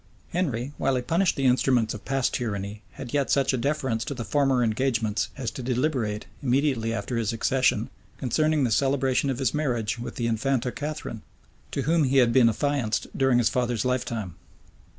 Henry, while he punished the instruments of past tyranny, had yet such a deference to former engagements as to deliberate, immediately after his accession, concerning the celebration of his marriage with the infanta Catharine, to whom he had been affianced during his father's lifetime.